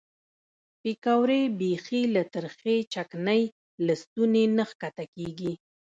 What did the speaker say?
پیکورې بیخي له ترخې چکنۍ له ستوني نه ښکته کېږي.